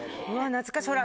懐かしいほら